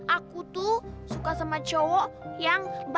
aku tuh suka sama cowo yang baik